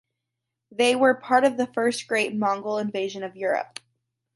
They were part of the first great Mongol invasion of Europe.